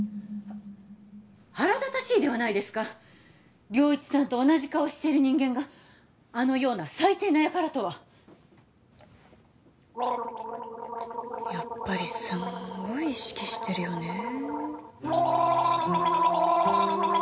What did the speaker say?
腹立たしいではないですか良一さんと同じ顔している人間があのような最低な輩とはやっぱりすんごい意識してるよね